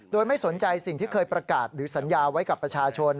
โดยไม่สนใจสิ่งที่เคยประกาศหรือสัญญาไว้กับประชาชน